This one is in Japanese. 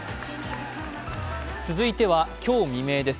続いては今日未明です。